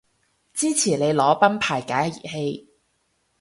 支持你裸奔排解熱氣